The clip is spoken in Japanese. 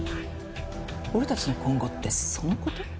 俺たちの今後ってその事？